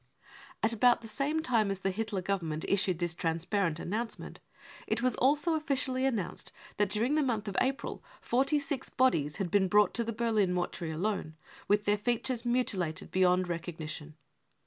55 « At about the same time as the Hitler Government issued this transparent announcement, it was also officially announced that during the month of April forty six bodies had been brought to the Berlin mortuary alone, with their features mutilated beyond recognition.